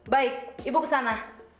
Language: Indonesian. baik ibu kesana